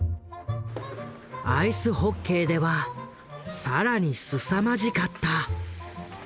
アイスホッケーでは更にすさまじかった。